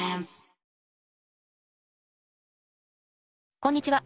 こんにちは。